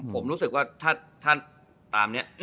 ผมรู้สึกว่าถ้าตามนี้